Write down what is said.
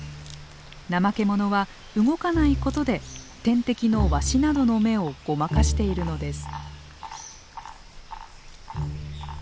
ナマケモノは動かないことで天敵のワシなどの目をごまかしているのです。